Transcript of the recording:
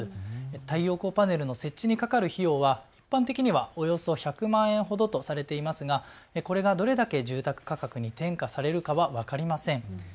太陽光パネルの設置にかかる費用は一般的にはおよそ１００万円ほどとされていますがこれがどれだけ住宅価格に転嫁されるかは分かりません。